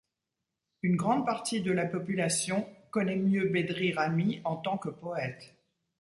Une grande partie de la population connait mieux Bedri Rahmi en tant que poète.